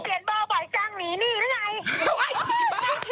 เปลี่ยนบ้าบ่ายกล้างหนีนี่ด้วยไง